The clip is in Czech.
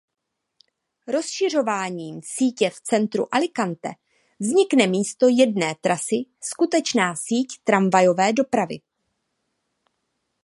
Rozšiřováním sítě v centru Alicante vznikne místo jedné trasy skutečná síť tramvajové dopravy.